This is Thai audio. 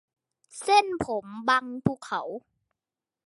เส้นผมบังภูเขา